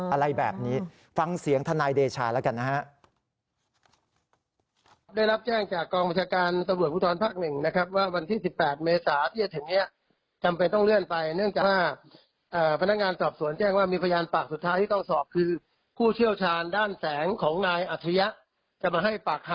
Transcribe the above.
อะไรแบบนี้ฟังเสียงทนายเดชาแล้วกันนะฮะ